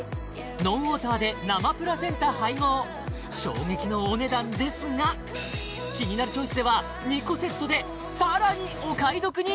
ノンウォーターで生プラセンタ配合衝撃のお値段ですが「キニナルチョイス」では２個セットでさらにお買い得に！